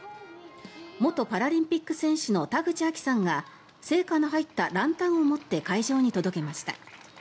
元パラリンピック選手の田口亜希さんが聖火の入ったランタンを持って会場に届けました。